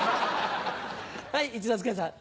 はい一之輔さん。